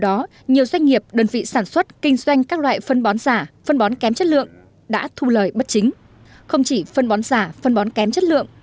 để xác định chất lượng phân bón đưa ra ngoài thị trường